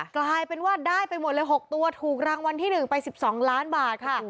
กลายเป็นว่าได้ไปหมดเลยหกตัวถูกรังวันที่หนึ่งไปสิบสองล้านบาทค่ะ